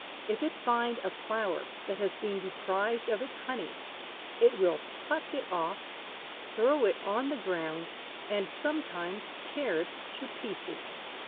If it find a flower that has been deprived of its honey, it will pluck it off, throw it on the ground, and sometimes tear it to pieces."